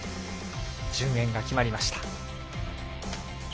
順延が決まりました。